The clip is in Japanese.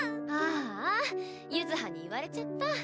あぁあ柚葉に言われちゃった。